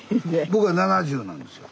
僕は７０なんですよ。